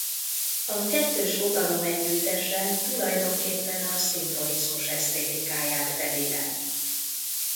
A kettős fogalom együttesen tulajdonképpen a szimbolizmus esztétikáját fedi le.